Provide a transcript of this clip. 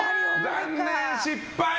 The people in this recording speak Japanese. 残念、失敗！